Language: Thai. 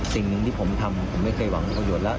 สิ่งหนึ่งที่ผมทำผมไม่เคยหวังประโยชน์แล้ว